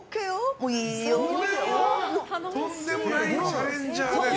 とんでもないチャレンジャー。